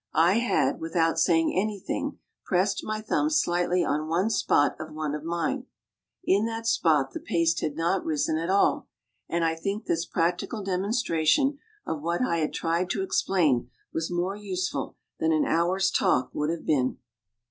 I had, without saying anything, pressed my thumb slightly on one spot of one of mine; in that spot the paste had not risen at all, and I think this practical demonstration of what I had tried to explain was more useful than an hour's talk would have been.